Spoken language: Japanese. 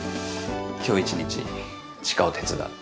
今日一日知花を手伝う。